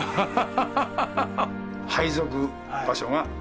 配属場所が。